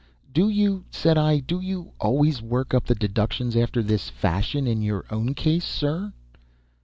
] "Do you," said I, "do you always work up the 'deductions' after this fashion in your own case, sir?"